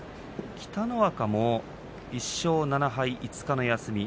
北の若も１勝７敗５日の休み。